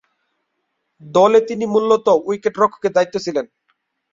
দলে তিনি মূলতঃ উইকেট-রক্ষকের দায়িত্বে ছিলেন।